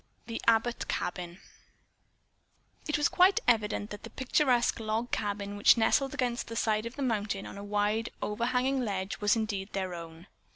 THE ABBOTT CABIN It was quite evident that the picturesque log cabin which nestled against the side of the mountain on a wide, overhanging ledge was indeed their own.